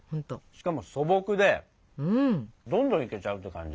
しかも素朴でどんどんいけちゃうって感じ。